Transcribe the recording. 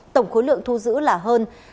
tổng khối lượng thu giữ là hơn